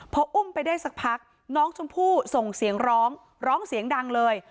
พออุ้มไปได้สักพักน้องชมพู่ส่งเสียงร้องร้องเสียงดังเลย